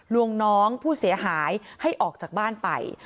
วงน้องผู้เสียหายให้ออกจากบ้านไป